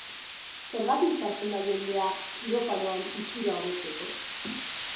Zergatik sartzen da jendea kirofanoan itxura hobetzeko?